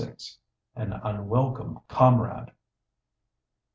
AN UNWELCOME COMRADE.